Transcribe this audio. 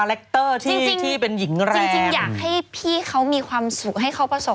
คาเล็กเตอร์ชีวิตที่เป็นหญิงแรมอย่างให้พี่เขามีความสุขให้เขาประสบ